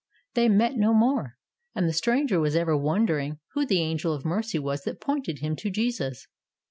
They met no more, and the stranger was ever wondering who the angel of mercy was that pointed him to Jesus.